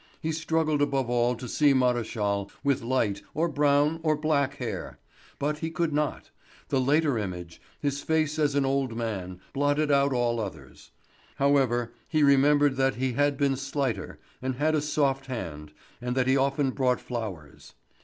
He struggled above all to see Maréchal, with light, or brown, or black hair. But he could not; the later image, his face as an old man, blotted out all others. However, he remembered that he had been slighter, and had a soft hand, and that he often brought flowers.